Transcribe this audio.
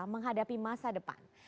menghadapi masa depan